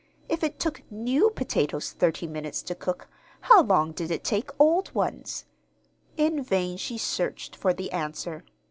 If it took new potatoes thirty minutes to cook, how long did it take old ones? In vain she searched for the answer.